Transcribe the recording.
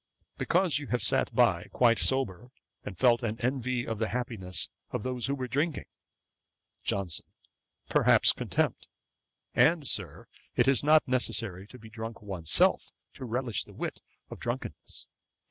'Because you have sat by, quite sober, and felt an envy of the happiness of those who were drinking.' JOHNSON. 'Perhaps, contempt. And, Sir, it is not necessary to be drunk one's self, to relish the wit of drunkenness.